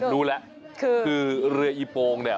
ผมรู้แล้วคือเรืออิปรงนี่